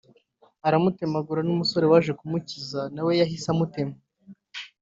aramutemagura n’umusore waje kumukiza na we yahise amutema